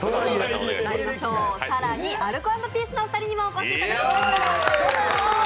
更に、アルコ＆ピースのお二人にもお越しいただきました。